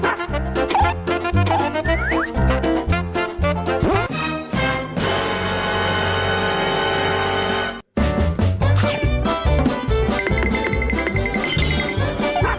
เพราะฉะนั้นต้องระมัดมากเลย